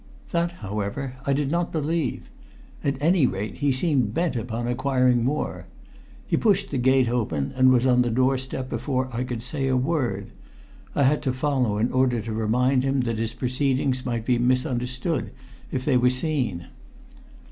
That, however, I did not believe; at any rate he seemed bent upon acquiring more. He pushed the gate open, and was on the doorstep before I could say a word. I had to follow in order to remind him that his proceedings might be misunderstood if they were seen.